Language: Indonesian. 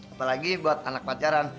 apalagi buat anak pacaran